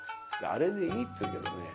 あれでいいって言うけどね